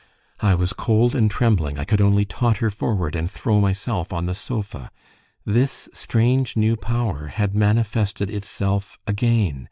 I was cold and trembling; I could only totter forward and throw myself on the sofa. This strange new power had manifested itself again